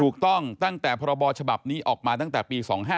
ถูกต้องตั้งแต่พบฉบับนี้ออกมาตั้งแต่ปี๒๕๔๗